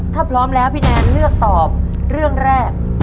ถ้าพร้อมแล้วพี่แนนเลือกตอบเรื่องแรก